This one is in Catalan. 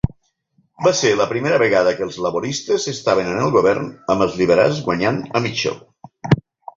Va ser la primera vegada que els laboristes estaven en el govern amb els liberals guanyant a Mitchell.